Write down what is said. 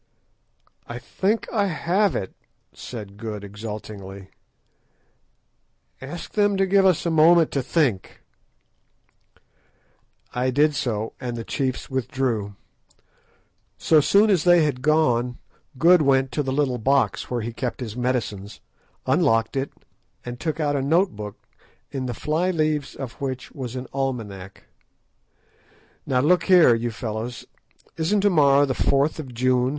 "I think that I have it," said Good exultingly; "ask them to give us a moment to think." I did so, and the chiefs withdrew. So soon as they had gone Good went to the little box where he kept his medicines, unlocked it, and took out a note book, in the fly leaves of which was an almanack. "Now look here, you fellows, isn't to morrow the 4th of June?"